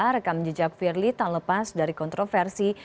rekam jejak firly tak lepas dari kontroversi